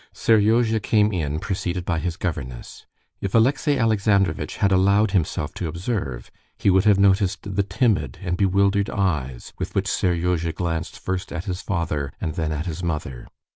Seryozha came in preceded by his governess. If Alexey Alexandrovitch had allowed himself to observe he would have noticed the timid and bewildered eyes with which Seryozha glanced first at his father and then at his mother.